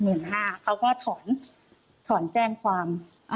๑๕๐๐๐บาทเขาก็ถอนแจ้งความ